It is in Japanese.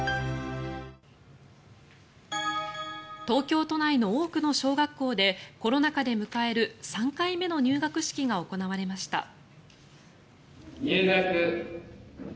東京都内の多くの小学校でコロナ禍で迎える３回目の入学式が行われました。